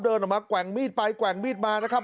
เดินออกมาแกว่งมีดมานะครับ